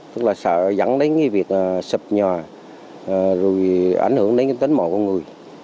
tức là sợ dẫn đến cái việc sập nhà rồi ảnh hưởng đến tính mọi con người